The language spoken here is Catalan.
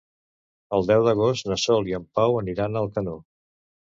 El deu d'agost na Sol i en Pau aniran a Alcanó.